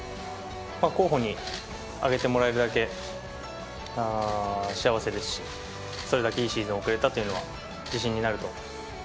候補に挙げてもらえるだけ幸せですし、それだけいいシーズンを送れたというのは自信になると。